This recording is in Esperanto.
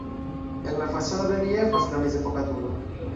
En la fasado reliefas la mezepoka turo.